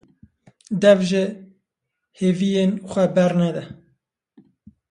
Dev ji hêviyên xwe bernede.